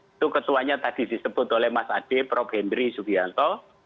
itu ketuanya tadi disebut oleh mas ade prof henry subianto